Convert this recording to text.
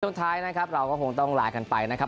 ช่วงท้ายนะครับเราก็คงต้องลากันไปนะครับ